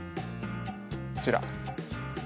こちら。